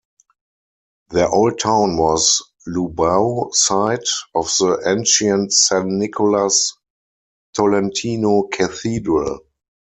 Their old town was Lubao, site of the ancient San Nicolas Tolentino Cathedral.